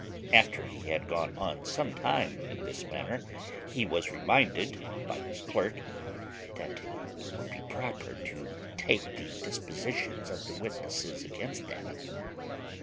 After he had gone on some time in this manner, he was reminded by his clerk, "That it would be proper to take the depositions of the witnesses against them."